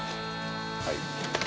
はい。